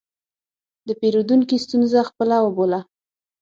د پیرودونکي ستونزه خپله وبوله.